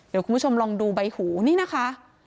เดี๋ยวคุณผู้ชมลองดูใบหูนี่นะคะ